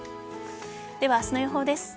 では、明日の予報です。